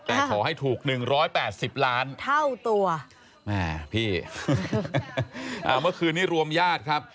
แต่ขอให้ถูก๑๘๐ล้านเท่าตัวแม่พี่อ่าเมื่อคืนนี้รวมญาติครับ